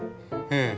ええ。